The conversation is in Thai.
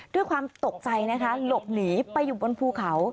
ด้วยความตกใจนะคะหลบหนีไปอยู่บนภูเขา